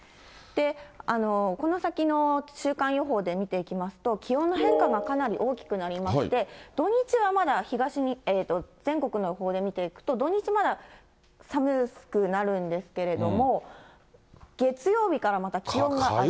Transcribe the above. この先の週間予報で見ていきますと、気温の変化がかなり大きくなりまして、土日はまだ、全国の予報で見ていくと、土日、まだ寒くなるんですけれども、月曜日からまた気温が上がっていきます。